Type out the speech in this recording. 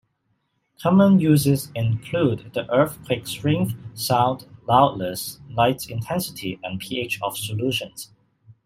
Common uses include the earthquake strength, sound loudness, light intensity, and pH of solutions.